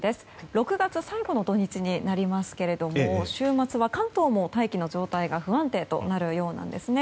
６月最後の土日になりますが週末は関東も大気の状態が不安定となるようなんですね。